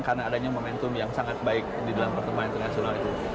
karena adanya momentum yang sangat baik di dalam pertemuan internasional itu